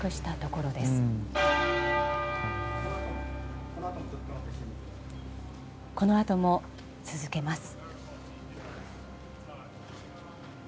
このあとも続けます。